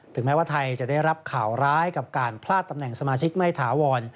แม้ว่าไทยจะได้รับข่าวร้ายกับการพลาดตำแหน่งสมาชิกไม่ถาวร